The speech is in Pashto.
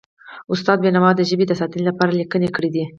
استاد بینوا د ژبې د ساتنې لپاره لیکنې کړی دي.